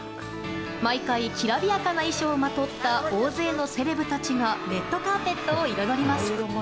毎回きらびやかな衣装をまとった大勢のセレブたちがレッドカーペットを彩ります。